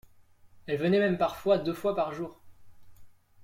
elle venait même parfois deux fois par jour